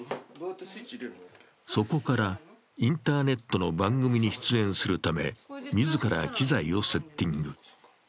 そこからインターネットの番組に出演するため、自ら機材をセッティング。